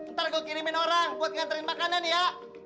ntar gue kirimin orang buat nganterin makanan ya